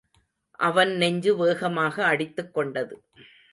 அவன் நெஞ்சு வேகமாக அடித்துக் கொண்டது.